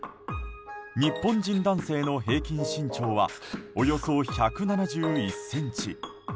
日本人男性の平均身長はおよそ１７１ｃｍ。